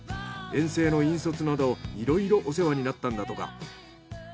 遠征の引率などいろいろお世話になったんだとか。